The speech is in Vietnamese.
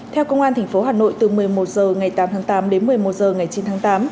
theo công an tp hà nội từ một mươi một h ngày tám tháng tám đến một mươi một h ngày chín tháng tám